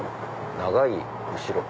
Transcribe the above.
「長い」「後ろ」。